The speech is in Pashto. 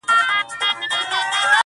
جانه راځه د بدن وينه مو په مينه پرېولو.